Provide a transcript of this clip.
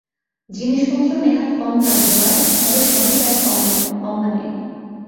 জিনিসপত্র নেহাত কম নয় জয়ার, তবে সবই প্রায় কমদামি।